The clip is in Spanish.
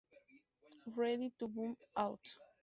Ready to Bomb Out!!